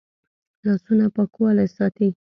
لاسونه پاکوالی ساتي